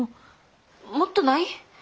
☎もっとない？